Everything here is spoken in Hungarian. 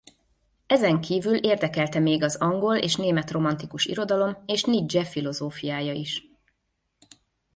Ezen kívül érdekelte még az angol és német romantikus irodalom és Nietzsche filozófiája is.